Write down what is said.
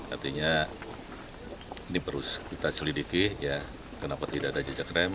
artinya ini terus kita selidiki kenapa tidak ada jejak rem